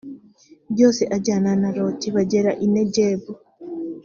byose ajyana na loti bagera i negebu